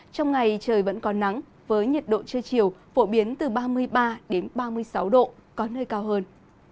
trong ngày trời vẫn có nắng với nhiệt độ trưa chiều phổ biến từ ba mươi ba ba mươi sáu độ có nơi cao hơn